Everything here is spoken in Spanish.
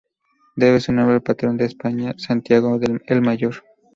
Debe su nombre al patrón de España, Santiago el Mayor.